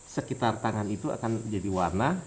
sekitar tangan itu akan menjadi warna